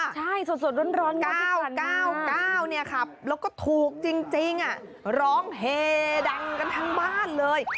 ใช่สดร้อน๙๙๙๙แล้วก็ถูกจริงร้องเฮดังกันทั้งบ้านเลย